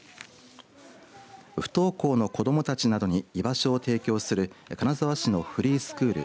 不登校の子どもたちなどに居場所を提供する金沢市のフリースクール